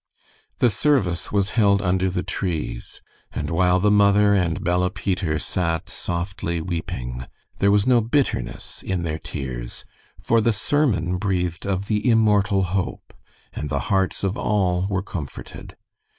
The service was held under the trees, and while the mother and Bella Peter sat softly weeping, there was no bitterness in their tears, for the sermon breathed of the immortal hope, and the hearts of all were comforted.